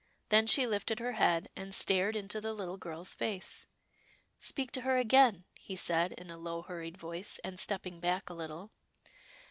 Then she lifted her head, and stared into the Httle girl's face. " Speak to her again," he said in a low, hurried voice, and stepping back a little.